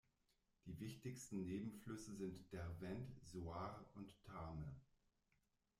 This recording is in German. Die wichtigsten Nebenflüsse sind Derwent, Soar und Tame.